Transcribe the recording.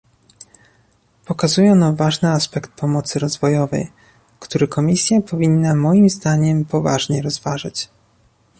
Pokazuje ono ważny aspekt pomocy rozwojowej, który Komisja powinna moim zdaniem poważnie rozważyć